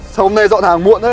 sao hôm nay dọn hàng muộn thế